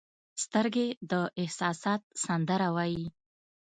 سترګې د احساسات سندره وایي